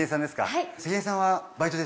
はい。